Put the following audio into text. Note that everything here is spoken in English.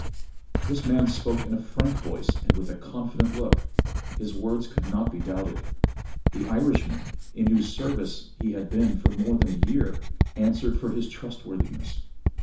"This man spoke in a frank voice and with a confident look; his words could not be doubted. The Irishman, in whose service he had been for more than a year, answered for his trustworthiness.